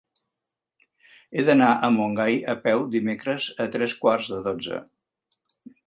He d'anar a Montgai a peu dimecres a tres quarts de dotze.